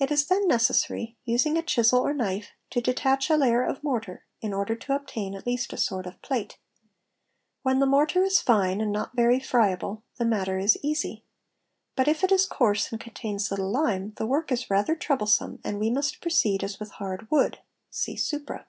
It is then necessary, using a chisel or knife, to detach a layer of mortar, in order to obtain at least a sort of plate. When [ i the mortar is fine and not very friable the matter is easy; but if it is NE DA AEA AA A ALS RA RA UREA SRDS coarse and contains little lime, the work is rather troublesome and we m ust proceed as with hard wood (see supra).